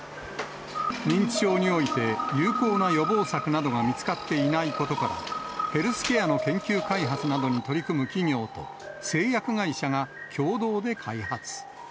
認知症において、有効な予防策などが見つかっていないことなどから、ヘルスケアの研究開発などに取り組む企業と、製薬会社が共同で開発。